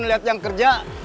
lihat yang kerja